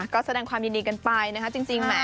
ก็แสดงความยินดีกันไปนะคะจริงแหม